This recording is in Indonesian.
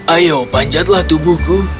ayo panjatlah tubuhku